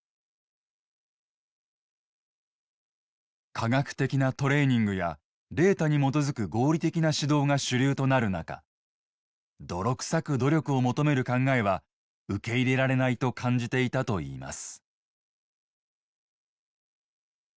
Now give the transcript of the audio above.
科学的なトレーニングやデータに基づく合理的な指導が主流となる中泥臭く努力を求める考えは受け入れられないと感じていたといいます。